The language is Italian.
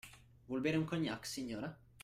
Vuol bere un cognac, signora?